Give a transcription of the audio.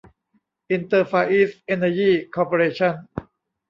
อินเตอร์ ฟาร์อีสท์ เอ็นเนอร์ยี่ คอร์ปอเรชั่น